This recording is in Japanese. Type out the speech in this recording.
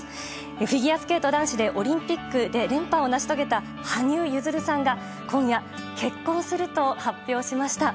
フィギュアスケート男子でオリンピックで連覇を成し遂げた羽生結弦さんが今夜、結婚すると発表しました。